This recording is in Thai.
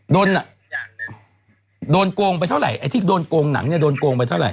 โดนโกงไปเท่าไหร่ไอ้ที่โดนโกงหนังเนี่ยโดนโกงไปเท่าไห